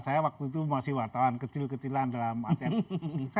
saya waktu itu masih wartawan kecil kecilan dalam artian